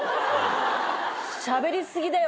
しゃべりすぎだよ